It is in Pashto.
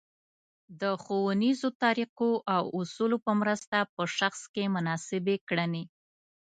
د ښونیزو طریقو او اصولو په مرسته په شخص کې مناسبې کړنې